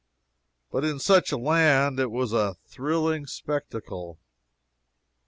But in such a land it was a thrilling spectacle.